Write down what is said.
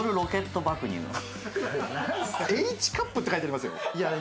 Ｈカップって書いてありますよ。